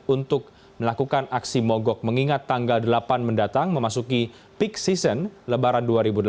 untuk melakukan aksi mogok mengingat tanggal delapan mendatang memasuki peak season lebaran dua ribu delapan belas